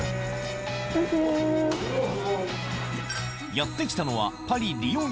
やって来たのはパリリヨン